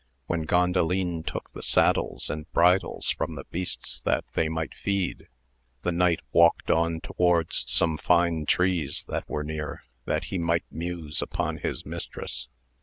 While Gandalin took the saddles and bridles from the beasts that they might feed, the knight walked on towards some fine trees that were near, that he might muse upon his mistress.